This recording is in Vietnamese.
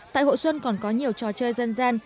tại hội xuân còn có nhiều trò chơi dân gian